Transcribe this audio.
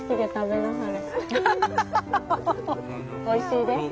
おいしいで。